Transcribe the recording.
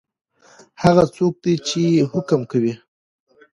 هغه څوک دی چی حکم کوي؟